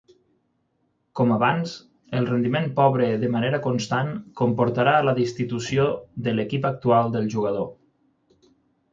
Com abans, el rendiment pobre de manera constant comportarà la destitució de l'equip actual del jugador.